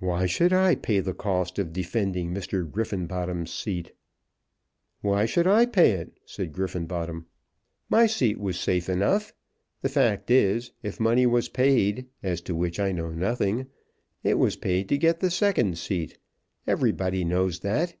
"Why should I pay the cost of defending Mr. Griffenbottom's seat?" "Why should I pay it?" said Griffenbottom. "My seat was safe enough. The fact is, if money was paid, as to which I know nothing, it was paid to get the second seat. Everybody knows that.